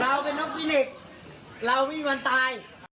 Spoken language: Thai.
เราเป็นนกพินิกเราไม่มีวันตาย